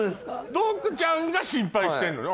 ドッグちゃんが心配してんのね？